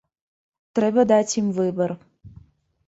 Трэба даць ім выбар.